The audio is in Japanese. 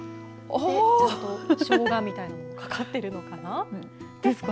ちゃんとしょうがみたいのもかかってるのかな。